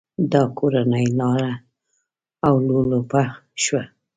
دا کورنۍ لاړه او لولپه شوه.